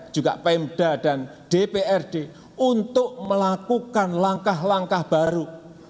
juga pemda dan dprd untuk melakukan langkah langkah baru